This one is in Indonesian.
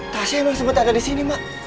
tasya emang sempet ada disini mak